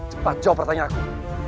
cepat jawab pertanyaan aku